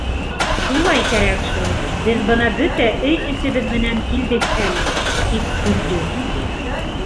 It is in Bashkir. Шулай кәрәк шул, беҙ бына бөтә өй эсебеҙ менән килдек әле, - тип көлдө.